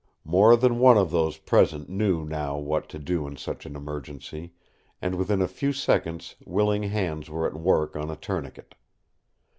More than one of those present knew now what to do in such an emergency, and within a few seconds willing hands were at work on a tourniquet.